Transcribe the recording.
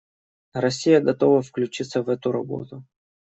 Россия готова включиться в эту работу.